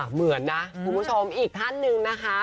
เหมือนนะคุณผู้ชมอีกท่านหนึ่งนะคะ